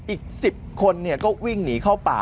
อีก๑๐คนก็วิ่งหนีเข้าป่า